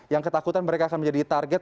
yang ketakutan mereka akan menjadi target